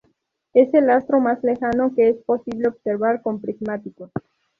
Es el astro más lejano que es posible observar con prismáticos.